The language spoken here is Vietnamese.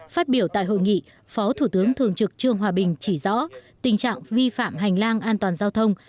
phát biểu tại hội nghị phó thủ tướng thường trực trương hòa bình chỉ rõ tình trạng vi phạm hành lang an toàn giao thông